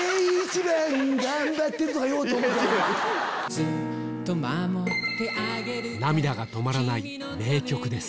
ずっと守って涙が止まらない名曲です